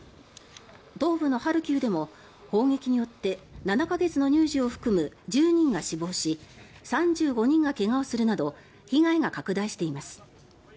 東部のハルキウでも砲撃によって７か月の乳児を含む１０人が死亡し３５人が怪我をするなど被害が拡大しています。